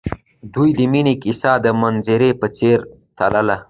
د دوی د مینې کیسه د منظر په څېر تلله.